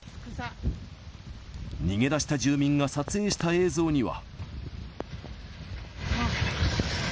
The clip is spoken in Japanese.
逃げ出した住民が撮影した映像には。